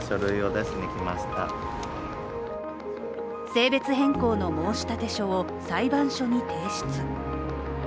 性別変更の申立書を裁判所に提出。